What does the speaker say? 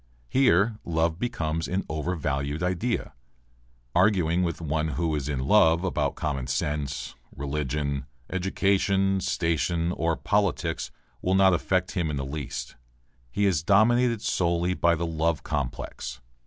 Here love becomes an overvalued idea. Arguing with one who is in love about common sense, religion, education, station, or politics will not affect him in the least. He is dominated solely by the love complex.